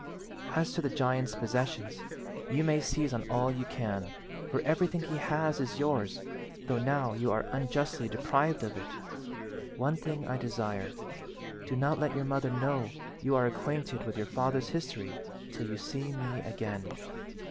"As to the giant's possessions, you may seize on all you can, for everything he has is yours though now you are unjustly deprived of it. One thing I desire. Do not let your mother know you are acquainted with your father's history till you see me again.